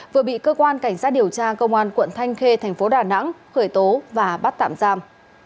vừa bị cơ quan cảnh sát điều tra công an quận thanh khê thành phố đà nẵng khởi tố và bắt tạm giam